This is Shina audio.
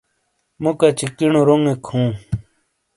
مو کچی کینو رونگیک ہوں.